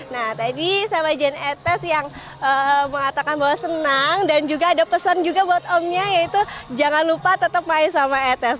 nah tadi sama jan etes yang mengatakan bahwa senang dan juga ada pesan juga buat omnya yaitu jangan lupa tetap main sama etes